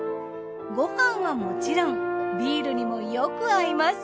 ご飯はもちろんビールにもよく合います。